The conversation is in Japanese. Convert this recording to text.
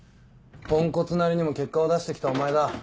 ポンコツなりにも結果を出して来たお前だ。